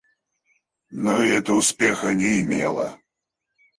Но и это успеха не имело.